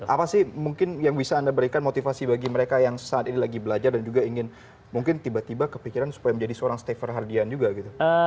apa sih mungkin yang bisa anda berikan motivasi bagi mereka yang saat ini lagi belajar dan juga ingin mungkin tiba tiba kepikiran supaya menjadi seorang stafer hardian juga gitu